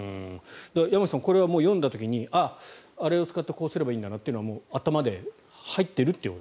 山口さんこれは読んだ時にあれを使ってこうすればいいんだなというのは頭に入っているという？